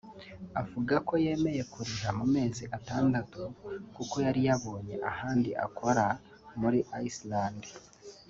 avuga ko yemeye kuriha mu mezi atandatu kuko yari yabonye ahandi akora muri Island